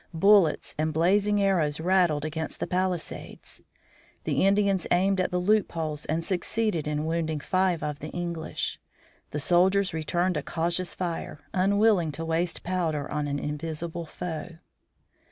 Bullets and blazing arrows rattled against the palisades. The Indians aimed at the loopholes and succeeded in wounding five of the English. The soldiers returned a cautious fire, unwilling to waste powder on an invisible foe.